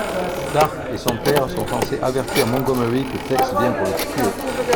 Tarp et son père sont censés avertir Montgomery que Tex vient pour le tuer.